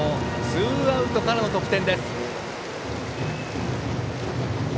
ツーアウトからの得点です。